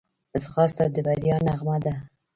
ځغاسته د بریا نغمه ده